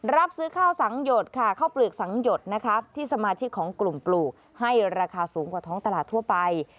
รับซื้อข้าวสังหยดค่ะข้าวเปลือกสังหยดนะคะที่สมาชิกของกลุ่มปลูกให้ราคาสูงกว่าท้องตลาดทั่วไป